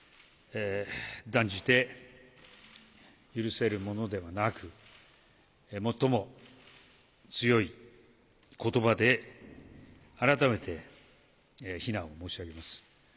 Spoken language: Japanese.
断じて許せるものではなく、最も強いことばで改めて非難を申し上げます。